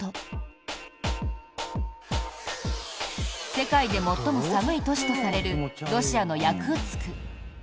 世界で最も寒い都市とされるロシアのヤクーツク。